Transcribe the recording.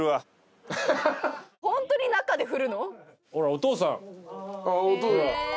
お父さん。